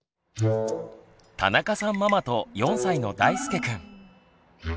田中さんママと４歳のだいすけくん。